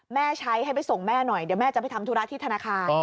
ใช้ให้ไปส่งแม่หน่อยเดี๋ยวแม่จะไปทำธุระที่ธนาคาร